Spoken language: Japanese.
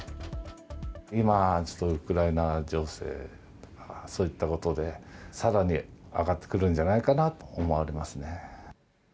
今、ちょっとウクライナ情勢とかそういったことで、さらに上がってくるんじゃないかなと思われますね。